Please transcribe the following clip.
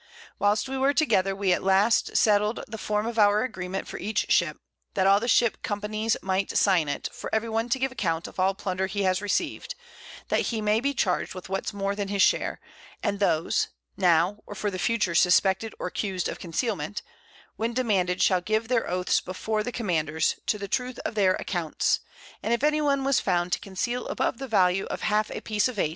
Whilst we were together, we at last settled the Form of our Agreement for each Ship; that all the Ships Companies might sign it, for every one to give an Account of all Plunder he has received, that he may be charged with what's more than his Share; and those (now or for the future suspected or accus'd of Concealment) when demanded shall give their Oaths before the Commanders, to the Truth of their Accounts, and if any one was found to conceal above the Value of half a Piece of 8.